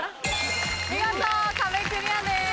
見事壁クリアです。